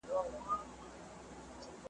په سراب کي دي په زړه سوم لاس دي جارسم `